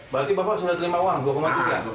berarti bapak sudah terima uang dua tiga